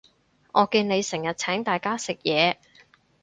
我見你成日請大家食嘢